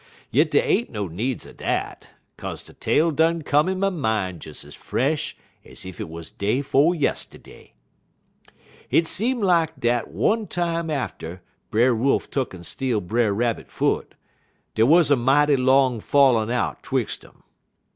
Yit dey ain't no needs er dat, 'kaze de tale done come in my min' des ez fresh ez ef 't was day 'fo' yistiddy. "Hit seem lak dat one time atter Brer Wolf tuck'n steal Brer Rabbit foot, dey wuz a mighty long fallin' out 'twix' um.